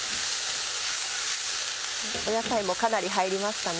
野菜もかなり入りましたね。